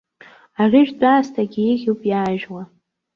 Арыжәтә аасҭагьы еиӷьуп иаажәуа.